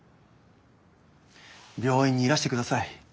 病院にいらしてください。